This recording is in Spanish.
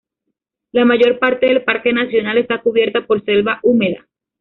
La mayor parte del parque nacional está cubierta por selva húmeda.